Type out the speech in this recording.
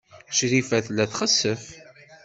Crifa tella txessef.